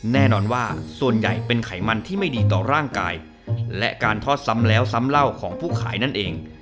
แน่นอนว่าส่วนใหญ่เป็นไขมันที่ไม่ดีต่อร่างกายและการทอดซ้ำแล้วซ้ำเล่าของผู้ขายนั่นเอง